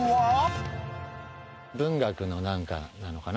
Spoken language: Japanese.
文学の何かなのかな？